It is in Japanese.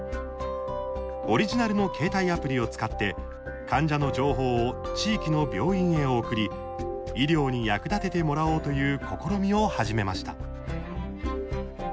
オリジナルの携帯アプリを使って患者の情報を地域の病院へ送り医療に役立ててもらおうという試みを始めました。